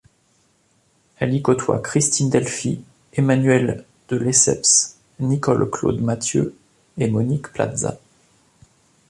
Elle y côtoie Christine Delphy, Emmanuèle de Lesseps, Nicole-Claude Mathieu et Monique Plaza.